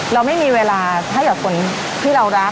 เราไม่มีเวลาให้กับคนที่เรารัก